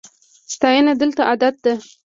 ستاینه دلته عادت ده.